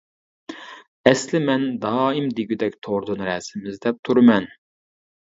ئەسلى مەن دائىم دېگۈدەك توردىن رەسىم ئىزدەپ تۇرىمەن.